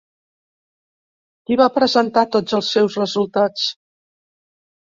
Qui va presentar tots els seus resultats?